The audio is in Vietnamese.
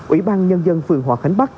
ủy ban nhân dân phường hòa khánh bắc